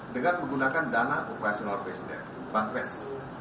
dengan menggunakan dana operasional presiden banpres